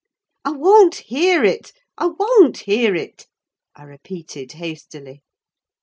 "I won't hear it, I won't hear it!" I repeated, hastily.